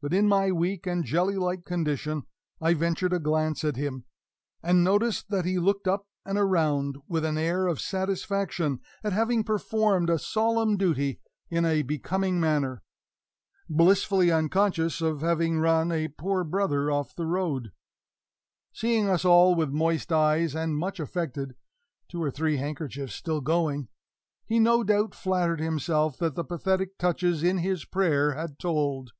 But in my weak and jelly like condition I ventured a glance at him, and noticed that he looked up and around with an air of satisfaction at having performed a solemn duty in a becoming manner, blissfully unconscious of having run a poor brother off the track. Seeing us all with moist eyes and much affected two or three handkerchiefs still going he no doubt flattered himself that the pathetic touches in his prayer had told.